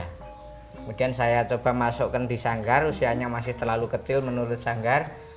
kemudian saya coba masukkan di sanggar usianya masih terlalu kecil menurut sanggar